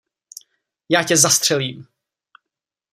Já tě zastřelím!